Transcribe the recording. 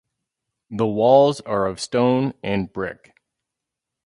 The walls are of stone and brick.